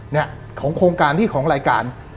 เนี่ยของโครงการที่ของรายการ